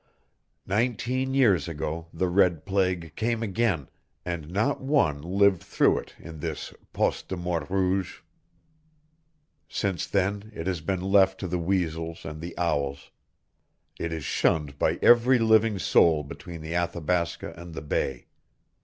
Nineteen years ago the red plague came again, and not one lived through it in this Poste de Mort Rouge. Since then it has been left to the weasels and the owls. It is shunned by every living soul between the Athabasca and the bay.